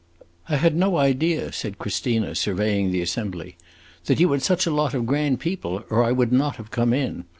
"I had no idea," said Christina, surveying the assembly, "that you had such a lot of grand people, or I would not have come in.